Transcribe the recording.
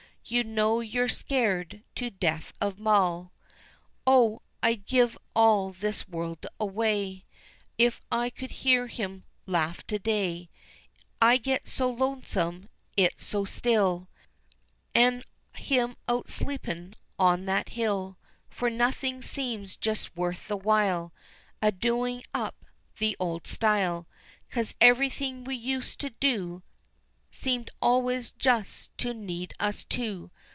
You know your're scared to death of maw." Oh! I'd give all this world away If I could hear him laugh to day, I get so lonesome, it's so still An' him out sleepin' on that hill; For nothin' seems just worth the while A doin' up in the old style, Cause everything we used to do Seemed always jus' to need us two.